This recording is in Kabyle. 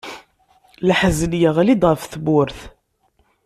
Laḥzen yeɣli-d ɣef tmurt.